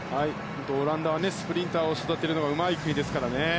オランダはスプリンターを育てるのがうまい国ですからね。